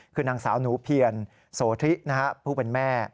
คือนางสาวหนูเพียรโสธิผู้เป็นแม่